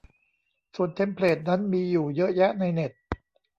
ส่วนเทมเพลตนั้นมีอยู่เยอะแยะในเน็ต